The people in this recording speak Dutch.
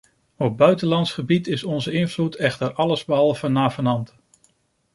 Op buitenlands gebied is onze invloed echter allesbehalve navenant.